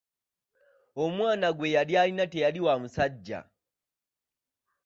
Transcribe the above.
Omwana gwe yali alina teyali wa musajja.